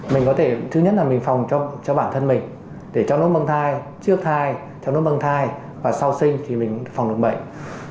mình có thể thứ nhất là mình phòng cho bản thân mình để trong lúc mang thai trước thai trong lúc mang thai và sau sinh thì mình phòng được bệnh